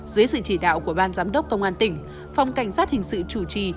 dưới sự chỉ đạo của ban giám đốc công an tỉnh phòng cảnh sát hình sự chủ trì